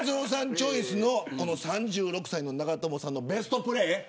チョイスの３６歳、長友さんのベストプレー。